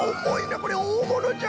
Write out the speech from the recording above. これおおものじゃ！